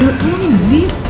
kalo kak mau beli